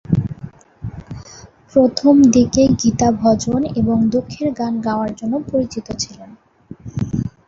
প্রথম দিকে গীতা ভজন এবং দুঃখের গান গাওয়ার জন্য পরিচিত ছিলেন।